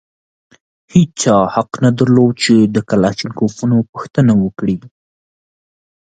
هېچا حق نه درلود چې د کلاشینکوفونو پوښتنه وکړي.